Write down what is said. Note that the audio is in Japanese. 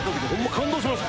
感動しました。